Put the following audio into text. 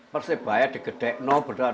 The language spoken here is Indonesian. persibaya digedek no bener